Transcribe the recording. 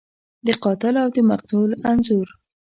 د قاتل او د مقتول انځور